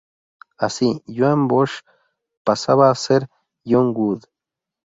Así, Joan Bosch pasaba a ser John Wood.